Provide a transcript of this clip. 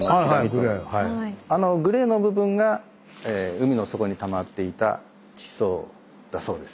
あのグレーの部分が海の底にたまっていた地層だそうです。